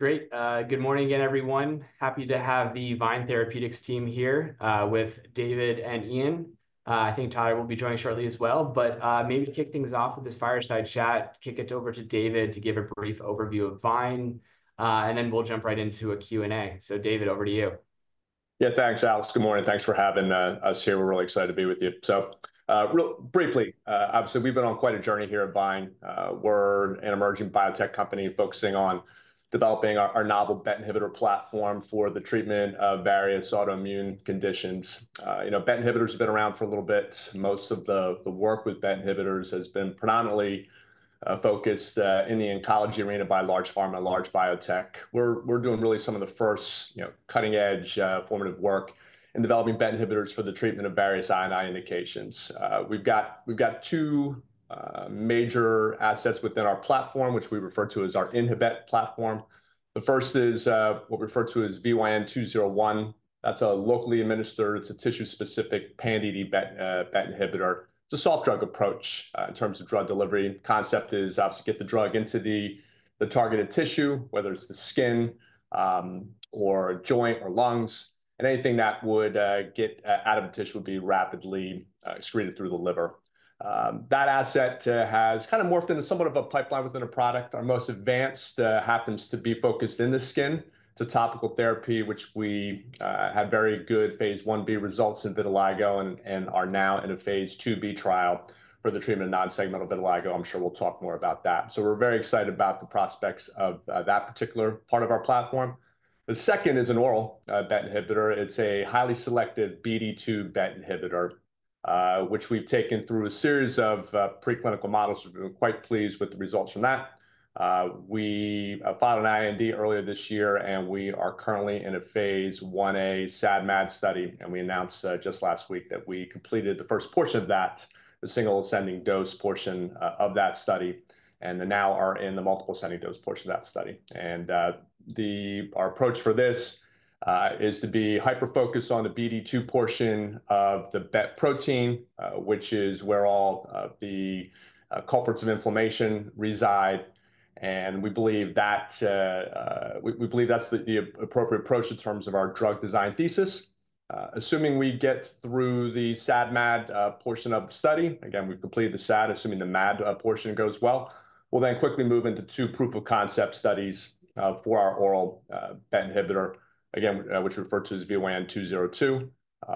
Great. Good morning again, everyone. Happy to have the Vyne Therapeutics team here with David and Iain. I think Todd will be joining shortly as well. But maybe to kick things off with this fireside chat, kick it over to David to give a brief overview of Vyne, and then we'll jump right into a Q&A. So David, over to you. Yeah, thanks, Alex. Good morning. Thanks for having us here. We're really excited to be with you. So, briefly, obviously, we've been on quite a journey here at Vyne. We're an emerging biotech company focusing on developing our novel BET inhibitor platform for the treatment of various autoimmune conditions. You know, BET inhibitors have been around for a little bit. Most of the work with BET inhibitors has been predominantly focused in the oncology arena by large pharma, large biotech. We're doing really some of the first, you know, cutting-edge, formative work in developing BET inhibitors for the treatment of various I and I indications. We've got two major assets within our platform, which we refer to as our InhibET platform. The first is what we refer to as VYN-201. That's a locally administered, it's a tissue-specific pan-BD BET, BET inhibitor. It's a soft drug approach, in terms of drug delivery. Concept is, obviously, get the drug into the, the targeted tissue, whether it's the skin, or joint or lungs, and anything that would, get, out of the tissue would be rapidly, screened through the liver. That asset, has kind of morphed into somewhat of a pipeline within a product. Our most advanced, happens to be focused in the skin. It's a topical therapy, which we, have very good phase 1b results in vitiligo and, and are now in a phase 2b trial for the treatment of non-segmental vitiligo. I'm sure we'll talk more about that. So we're very excited about the prospects of, that particular part of our platform. The second is an oral, BET inhibitor. It's a highly selective BD2 BET inhibitor, which we've taken through a series of preclinical models. We're quite pleased with the results from that. We filed an IND earlier this year, and we are currently in a phase 1a SAD/MAD study, and we announced just last week that we completed the first portion of that, the single ascending dose portion of that study, and then now are in the multiple ascending dose portion of that study. Our approach for this is to be hyper-focused on the BD2 portion of the BET protein, which is where all the culprits of inflammation reside, and we believe that's the appropriate approach in terms of our drug design thesis. Assuming we get through the SAD/MAD portion of the study, again, we've completed the SAD, assuming the MAD portion goes well, we'll then quickly move into two proof-of-concept studies for our oral BET inhibitor, again, which we refer to as VYN-202.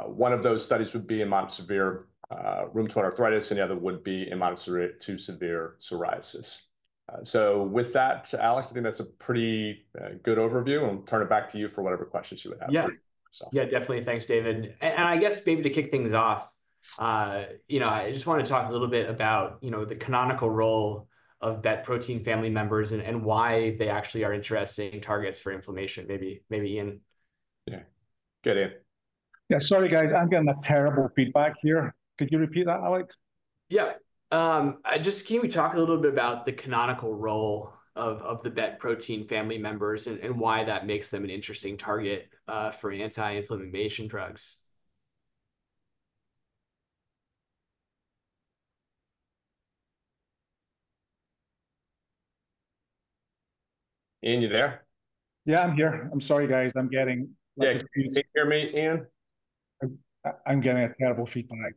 One of those studies would be in moderate to severe rheumatoid arthritis, and the other would be in moderate to severe psoriasis. With that, Alex, I think that's a pretty good overview, and we'll turn it back to you for whatever questions you would have. Yeah. So. Yeah, definitely. Thanks, David. And I guess maybe to kick things off, you know, I just wanna talk a little bit about, you know, the canonical role of BET protein family members and, and why they actually are interesting targets for inflammation. Maybe, maybe, Iain? Yeah. Go, Iain. Yeah, sorry, guys, I'm getting a terrible feedback here. Could you repeat that, Alex? Yeah. Just can you talk a little bit about the canonical role of the BET protein family members and why that makes them an interesting target for anti-inflammation drugs? Iain, you there? Yeah, I'm here. I'm sorry, guys. I'm getting- Yeah, can you hear me, Iain? I'm getting a terrible feedback.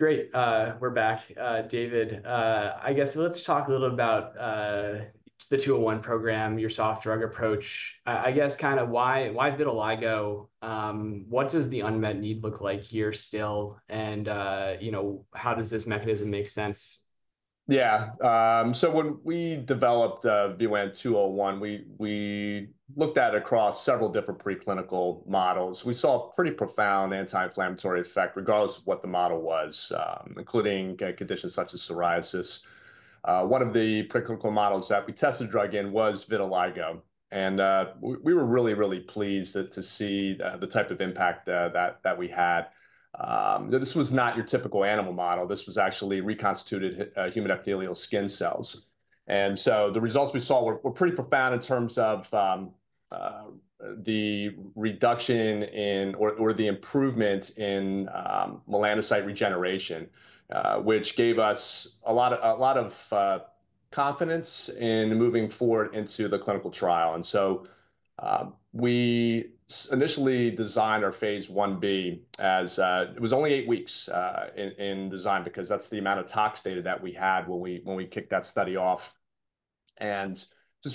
Great, we're back. David, I guess let's talk a little about the two oh one program, your soft drug approach. I guess kind of why, why vitiligo? What does the unmet need look like here still? And, you know, how does this mechanism make sense? Yeah, so when we developed VYN-201, we looked at it across several different preclinical models. We saw a pretty profound anti-inflammatory effect, regardless of what the model was, including conditions such as psoriasis. One of the preclinical models that we tested the drug in was vitiligo, and we were really, really pleased to see the type of impact that we had. This was not your typical animal model. This was actually reconstituted human epithelial skin cells. And so the results we saw were pretty profound in terms of the reduction in or the improvement in melanocyte regeneration, which gave us a lot of confidence in moving forward into the clinical trial. We initially designed our phase 1b. It was only eight weeks in design, because that's the amount of tox data that we had when we kicked that study off. Since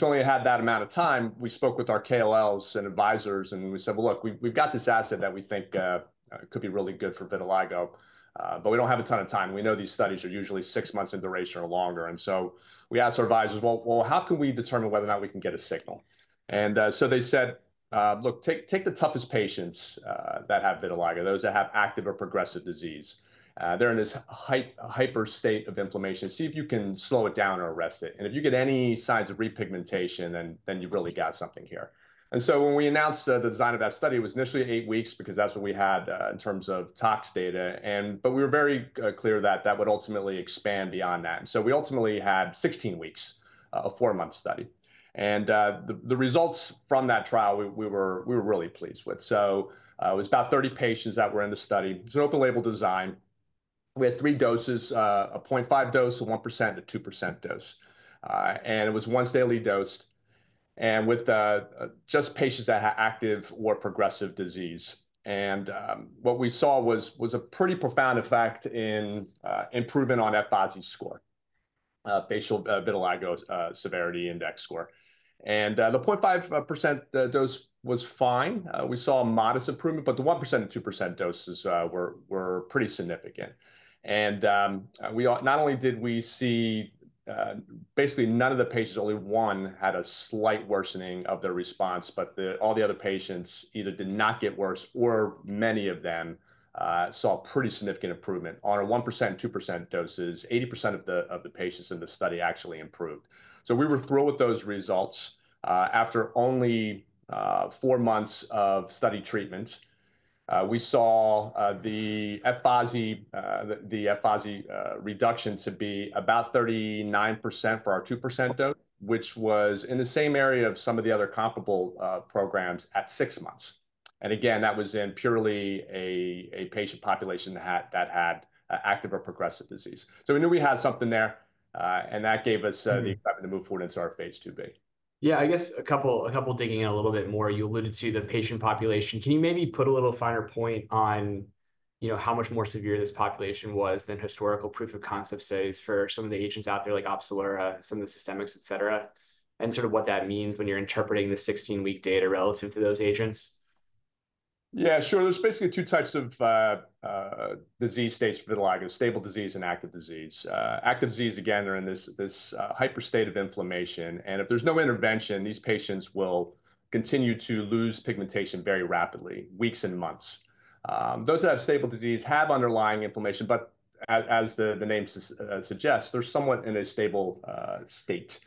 we had that amount of time, we spoke with our KOLs and advisors, and we said, "Well, look, we've got this asset that we think could be really good for vitiligo, but we don't have a ton of time." We know these studies are usually six months in duration or longer, and so we asked our advisors: "Well, how can we determine whether or not we can get a signal?" And so they said, "Look, take the toughest patients that have vitiligo, those that have active or progressive disease. They're in this hyper state of inflammation. See if you can slow it down or arrest it. And if you get any signs of repigmentation, then you've really got something here." So when we announced the design of that study, it was initially eight weeks, because that's what we had in terms of tox data, but we were very clear that that would ultimately expand beyond that. So we ultimately had 16 weeks, a four-month study. The results from that trial, we were really pleased with. So it was about 30 patients that were in the study. It was an open label design. We had three doses, a 0.5 dose, a 1%, a 2% dose. It was once daily dosed, with just patients that had active or progressive disease. What we saw was a pretty profound effect in improvement on F-VASI score, Facial Vitiligo Severity Index score. The 0.5% dose was fine. We saw a modest improvement, but the 1% and 2% doses were pretty significant. We not only did we see basically none of the patients, only one had a slight worsening of their response, but all the other patients either did not get worse, or many of them saw a pretty significant improvement. On our 1% and 2% doses, 80% of the patients in the study actually improved. We were thrilled with those results. After only four months of study treatment, we saw the F-VASI reduction to be about 39% for our 2% dose, which was in the same area of some of the other comparable programs at six months, and again, that was in purely a patient population that had active or progressive disease. So we knew we had something there, and that gave us, Mm... the excitement to move forward into our phase 2B. Yeah, I guess a couple, a couple digging in a little bit more. You alluded to the patient population. Can you maybe put a little finer point on, you know, how much more severe this population was than historical proof of concept studies for some of the agents out there, like Opzelura, some of the systemics, et cetera, and sort of what that means when you're interpreting the 16-week data relative to those agents? Yeah, sure. There's basically two types of disease states for vitiligo, stable disease and active disease. Active disease, again, they're in this hyper state of inflammation, and if there's no intervention, these patients will continue to lose pigmentation very rapidly, weeks and months. Those that have stable disease have underlying inflammation, but as the name suggests, they're somewhat in a stable state,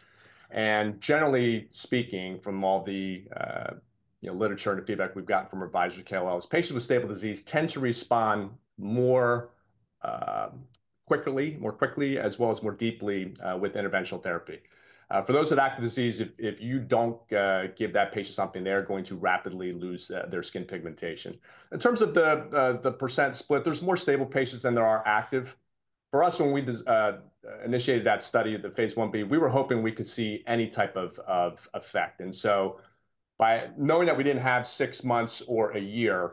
and generally speaking, from all the literature and the feedback we've got from advisors, KOLs, patients with stable disease tend to respond more quickly- more quickly, as well as more deeply with interventional therapy. For those with active disease, if you don't give that patient something, they're going to rapidly lose their skin pigmentation. In terms of the percent split, there's more stable patients than there are active. For us, when we initiated that study, the phase 1b, we were hoping we could see any type of effect. And so by knowing that we didn't have six months or a year,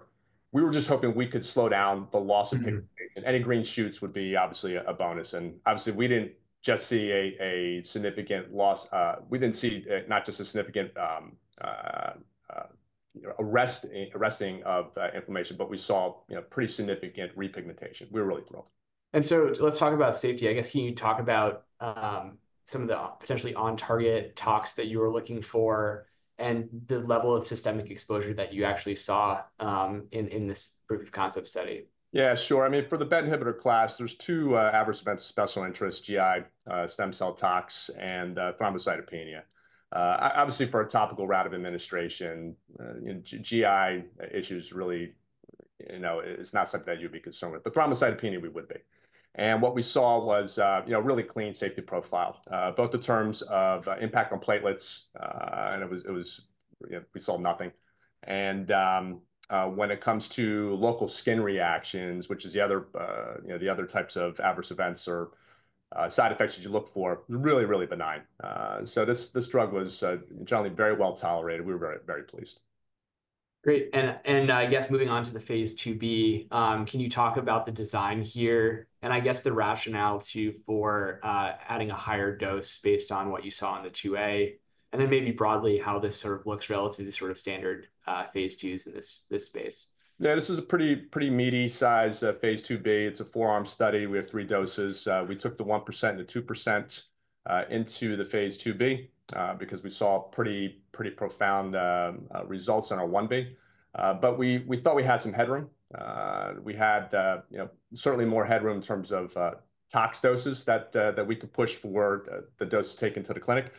we were just hoping we could slow down the loss of pigmentation. Mm. and any green shoots would be obviously a bonus. And obviously, we didn't just see a significant loss. We didn't see not just a significant, you know, arresting of that inflammation, but we saw, you know, pretty significant repigmentation. We were really thrilled. So let's talk about safety. I guess, can you talk about some of the potentially on-target tox that you were looking for, and the level of systemic exposure that you actually saw in this proof of concept study? Yeah, sure. I mean, for the BET inhibitor class, there's two adverse events of special interest, GI, stem cell tox, and thrombocytopenia. Obviously, for a topical route of administration, you know, GI issues really don't, you know, it's not something that you'd be concerned with, but thrombocytopenia we would be. And what we saw was, you know, really clean safety profile, both in terms of impact on platelets, and it was, you know, we saw nothing. And when it comes to local skin reactions, which is the other, you know, the other types of adverse events or side effects that you look for, really, really benign. So this, this drug was generally very well-tolerated. We were very, very pleased. Great. And I guess moving on to the phase IIb, can you talk about the design here, and I guess the rationale, too, for adding a higher dose based on what you saw in the IIa? And then maybe broadly, how this sort of looks relative to sort of standard phase IIs in this space. Yeah, this is a pretty, pretty meaty-sized phase IIb. It's a four-arm study. We have three doses. We took the 1% and the 2% into the phase IIb because we saw pretty, pretty profound results on our 1b. But we thought we had some headroom. We had you know certainly more headroom in terms of tox doses that we could push for the dose taken to the clinic.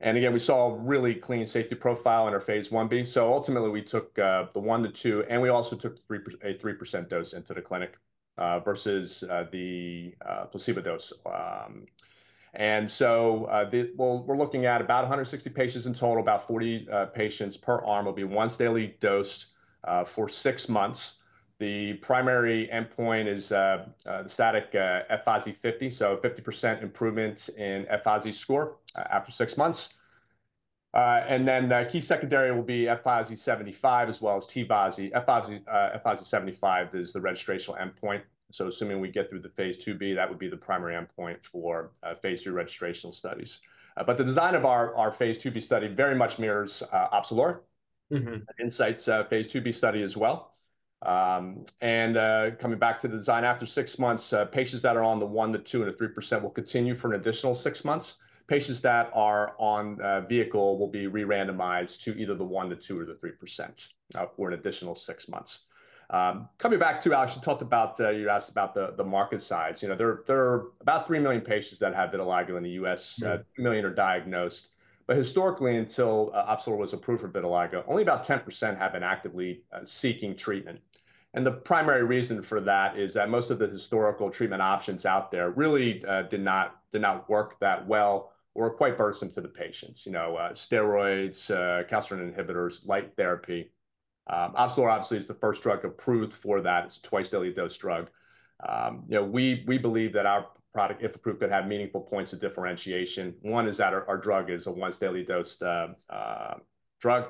And again, we saw a really clean safety profile in our phase 1b, so ultimately we took the 1%, the 2%, and we also took a 3% dose into the clinic versus the placebo dose. And so well, we're looking at about 160 patients in total. About 40 patients per arm will be once daily dosed for six months. The primary endpoint is the static F-VASI 50, so 50% improvement in F-VASI score after six months. And then the key secondary will be F-VASI 75, as well as T-VASI. F-VASI 75 is the registrational endpoint, so assuming we get through the phase IIb, that would be the primary endpoint for phase II registrational studies. But the design of our phase IIb study very much mirrors Opzelura- Mm-hmm... Incyte's phase IIb study as well. Coming back to the design, after six months, patients that are on the 1%, the 2%, and the 3% will continue for an additional six months. Patients that are on vehicle will be re-randomized to either the 1%, the 2%, or the 3% for an additional six months. Coming back to Alex, you talked about you asked about the market size. You know, there are about 3 million patients that have vitiligo in the U.S. Mm. A million are diagnosed. But historically, until Opzelura was approved for vitiligo, only about 10% have been actively seeking treatment. And the primary reason for that is that most of the historical treatment options out there really did not work that well or were quite burdensome to the patients. You know, steroids, calcineurin inhibitors, light therapy. Opzelura obviously is the first drug approved for that. It's a twice-daily dose drug. You know, we believe that our product, if approved, could have meaningful points of differentiation. One is that our drug is a once-daily dosed drug.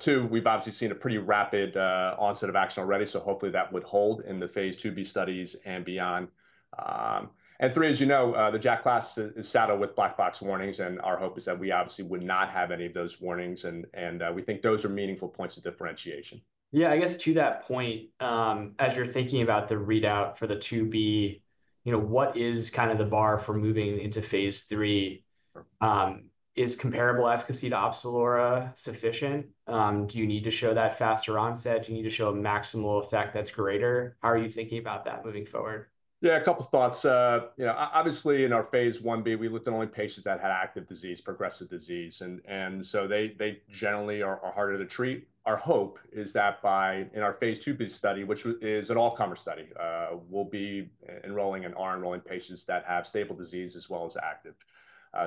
Two, we've obviously seen a pretty rapid onset of action already, so hopefully that would hold in the phase IIb studies and beyond. And three, as you know, the JAK class is saddled with black box warnings, and our hope is that we obviously would not have any of those warnings, and we think those are meaningful points of differentiation. Yeah, I guess to that point, as you're thinking about the readout for the IIb, you know, what is kind of the bar for moving into phase III? Is comparable efficacy to Opzelura sufficient? Do you need to show that faster onset? Do you need to show a maximal effect that's greater? How are you thinking about that moving forward? Yeah, a couple thoughts. You know, obviously in our phase Ib, we looked at only patients that had active disease, progressive disease, and so they generally are harder to treat. Our hope is that in our phase IIb study, which is an all-comer study, we'll be enrolling and are enrolling patients that have stable disease as well as active.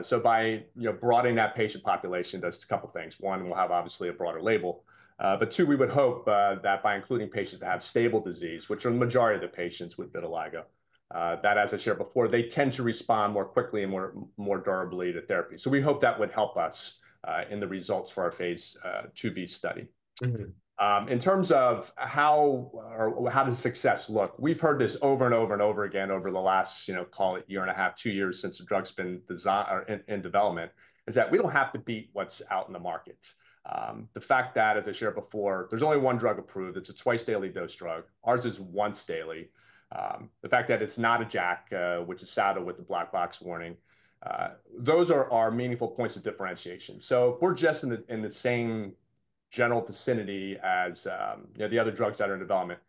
So by you know broadening that patient population, does a couple things. One, we'll have obviously a broader label. But two, we would hope that by including patients that have stable disease, which are the majority of the patients with vitiligo, that as I shared before, they tend to respond more quickly and more durably to therapy. So we hope that would help us in the results for our phase IIb study. Mm-hmm. In terms of how does success look? We've heard this over and over again over the last, you know, call it year and a half, two years, since the drug's been in development, is that we don't have to beat what's out in the market. The fact that, as I shared before, there's only one drug approved, it's a twice-daily dose drug. Ours is once daily. The fact that it's not a JAK, which is saddled with the black box warning, those are our meaningful points of differentiation. So if we're just in the same general vicinity as, you know, the other drugs that are in development,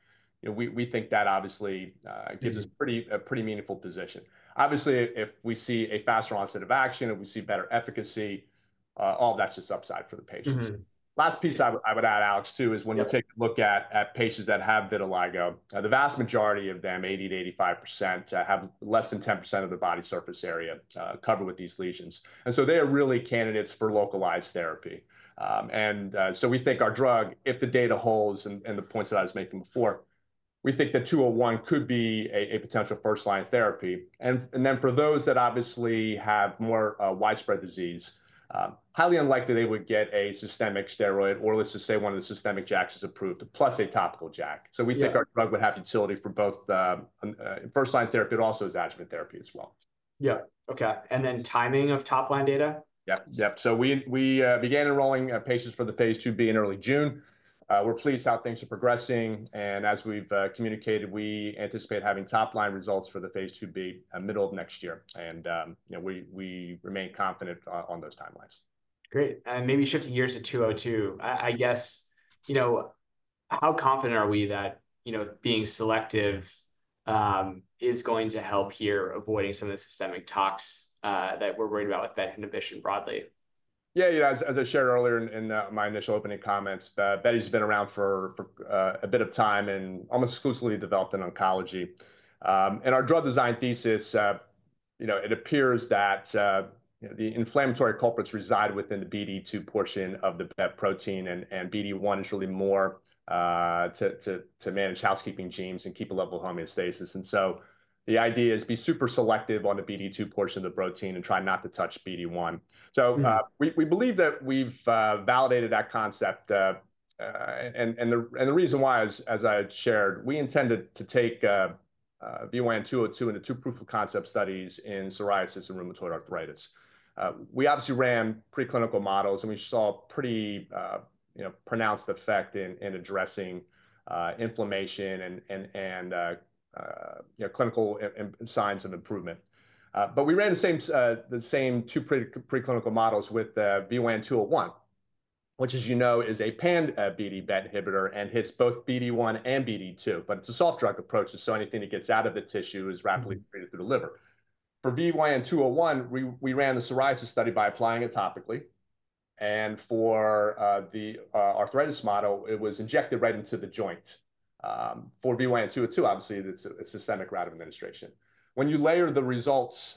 you know, we think that obviously, Mm... gives us a pretty meaningful position. Obviously, if we see a faster onset of action, if we see better efficacy, all that's just upside for the patients. Mm-hmm. Last piece I would add, Alex, too- Yeah... is when you take a look at patients that have vitiligo, the vast majority of them, 80%-85%, have less than 10% of their body surface area covered with these lesions, and so they are really candidates for localized therapy, and so we think our drug, if the data holds and the points that I was making before, we think that 201 could be a potential first-line therapy, and then for those that obviously have more widespread disease, highly unlikely they would get a systemic steroid, or let's just say one of the systemic JAKs is approved, plus a topical JAK. Yeah. So we think our drug would have utility for both, first-line therapy, but also as adjuvant therapy as well. Yeah. Okay, and then timing of top-line data? Yeah, yeah. So we began enrolling patients for the phase IIb in early June. We're pleased how things are progressing, and as we've communicated, we anticipate having top-line results for the phase IIb middle of next year. You know, we remain confident on those timelines. Great. And maybe shifting gears to 202, I guess, you know, how confident are we that, you know, being selective is going to help here, avoiding some of the systemic tox that we're worried about with that inhibition broadly? Yeah, yeah, as I shared earlier in my initial opening comments, BET's been around for a bit of time and almost exclusively developed in oncology. And our drug design thesis, you know, it appears that you know, the inflammatory culprits reside within the BD2 portion of the BET protein, and BD1 is really more to manage housekeeping genes and keep a level of homeostasis. And so the idea is be super selective on the BD2 portion of the protein and try not to touch BD1. Mm. We believe that we've validated that concept, and the reason why is, as I had shared, we intended to take VYN-202 into two proof of concept studies in psoriasis and rheumatoid arthritis. We obviously ran preclinical models, and we saw pretty, you know, pronounced effect in addressing inflammation and, you know, clinical signs of improvement. But we ran the same two preclinical models with VYN-201, which as you know, is a pan BD BET inhibitor and hits both BD1 and BD2. But it's a soft drug approach, and so anything that gets out of the tissue is rapidly- Mm... created through the liver. For VYN-201, we ran the psoriasis study by applying it topically, and for the arthritis model, it was injected right into the joint. For VYN-202, obviously, it's a systemic route of administration. When you layer the results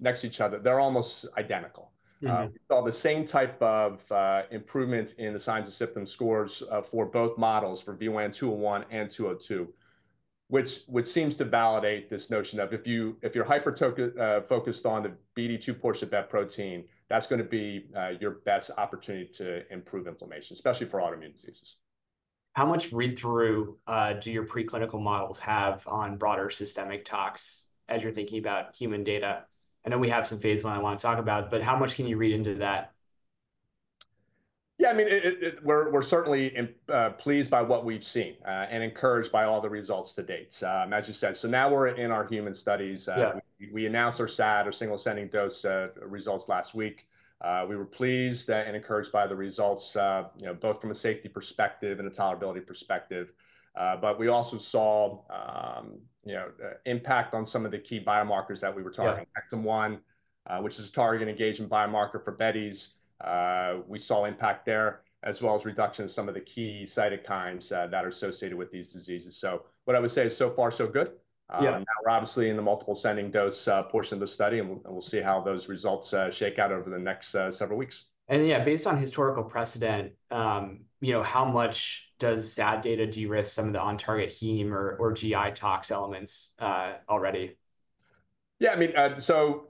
next to each other, they're almost identical. Mm-hmm. We saw the same type of improvement in the signs and symptom scores for both models, for VYN-201 and 202, which seems to validate this notion of if you're hyper-focused on the BD2 portion of that protein, that's gonna be your best opportunity to improve inflammation, especially for autoimmune diseases. How much read-through do your preclinical models have on broader systemic tox as you're thinking about human data? I know we have some phase 1 I want to talk about, but how much can you read into that? Yeah, I mean, we're certainly pleased by what we've seen, and encouraged by all the results to date. As you said, so now we're in our human studies. Yeah. We announced our SAD, or single ascending dose, results last week. We were pleased and encouraged by the results, you know, both from a safety perspective and a tolerability perspective. But we also saw, you know, impact on some of the key biomarkers that we were targeting. Yeah. HEXIM1, which is a target engagement biomarker for BETs. We saw impact there, as well as reduction in some of the key cytokines that are associated with these diseases, so what I would say is so far, so good. Yeah. Now we're obviously in the multiple ascending dose portion of the study, and we'll see how those results shake out over the next several weeks. And yeah, based on historical precedent, you know, how much does that data de-risk some of the on-target heme or GI tox elements already? Yeah, I mean, so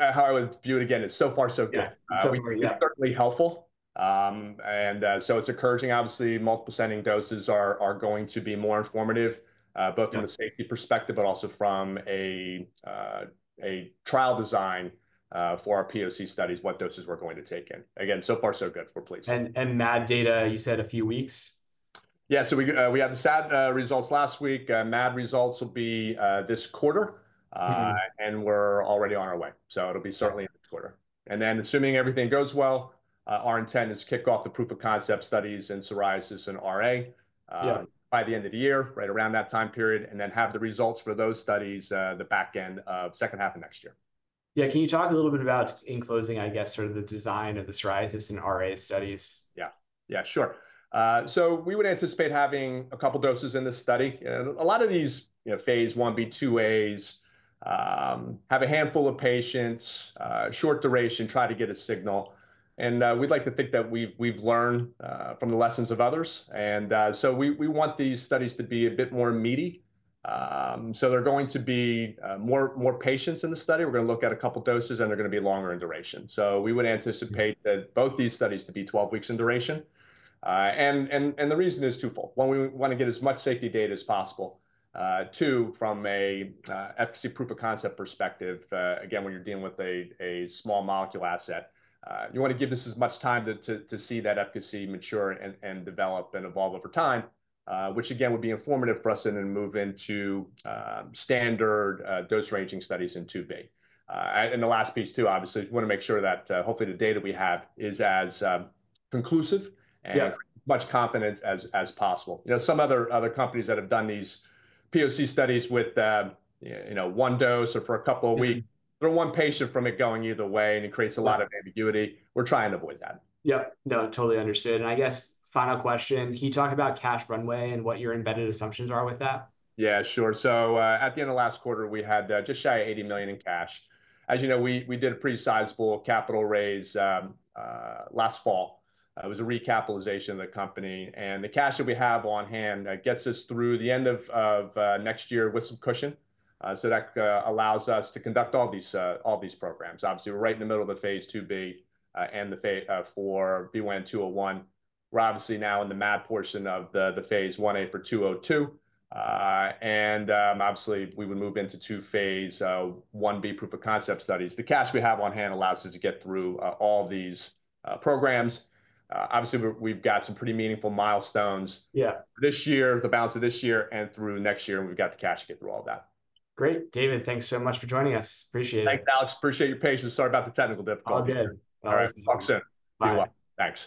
how I would view it again is so far so good. Yeah. So- Certainly helpful. And so it's encouraging. Obviously, multiple ascending doses are going to be more informative. Yeah Both from a safety perspective, but also from a trial design for our POC studies, what doses we're going to take in. Again, so far so good. We're pleased. MAD data, you said a few weeks? Yeah, so we had the SAD. MAD results will be this quarter. Mm-hmm. And we're already on our way, so it'll be certainly this quarter. And then assuming everything goes well, our intent is to kick off the proof of concept studies in psoriasis and RA. Yeah... by the end of the year, right around that time period, and then have the results for those studies, the back end of second half of next year. Yeah. Can you talk a little bit about, in closing, I guess, sort of the design of the psoriasis and RA studies? Yeah. Yeah, sure. So we would anticipate having a couple doses in this study. And a lot of these, you know, phase Ia/IIas, have a handful of patients, short duration, try to get a signal. And we'd like to think that we've learned from the lessons of others. And so we want these studies to be a bit more meaty. So there are going to be more patients in the study. We're gonna look at a couple doses, and they're gonna be longer in duration. So we would anticipate that both these studies to be twelve weeks in duration. And the reason is twofold. One, we want to get as much safety data as possible. Two, from a efficacy proof of concept perspective, again, when you're dealing with a small molecule asset, you want to give this as much time to see that efficacy mature and develop and evolve over time. Which again, would be informative for us in then move into standard dose ranging studies in 2B. And the last piece too, obviously, we want to make sure that hopefully the data we have is as conclusive- Yeah ...and much confident as possible. You know, some other companies that have done these POC studies with, you know, one dose or for a couple of weeks- Yeah ...they're one patient from it going either way, and it creates a lot of ambiguity. We're trying to avoid that. Yeah. No, totally understood, and I guess final question: Can you talk about cash runway and what your embedded assumptions are with that? Yeah, sure. So, at the end of last quarter, we had just shy of $80 million in cash. As you know, we did a pretty sizable capital raise last fall. It was a recapitalization of the company, and the cash that we have on hand gets us through the end of next year with some cushion. So that allows us to conduct all these programs. Obviously, we're right in the middle of the phase 2b and the for VYN-201. We're obviously now in the MAD portion of the phase 1a for VYN-202. And obviously, we would move into two phase 1b proof of concept studies. The cash we have on hand allows us to get through all these programs. Obviously, we've got some pretty meaningful milestones- Yeah ...this year, the balance of this year, and through next year, and we've got the cash to get through all that. Great. David, thanks so much for joining us. Appreciate it. Thanks, Alex. Appreciate your patience. Sorry about the technical difficulty. All good. All right. Talk soon. Bye. Thanks.